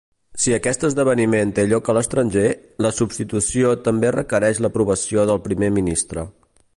Si aquest esdeveniment té lloc a l'estranger, la substitució també requereix l'aprovació del primer ministre.